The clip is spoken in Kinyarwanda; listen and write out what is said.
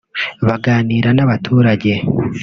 baganira n’abaturage